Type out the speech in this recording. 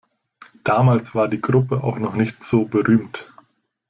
Damals war die Gruppe auch noch nicht so berühmt.